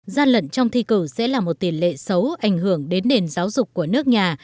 gian lận trong thi cử sẽ là một tiền lệ xấu ảnh hưởng đến nền giáo dục của nước nhà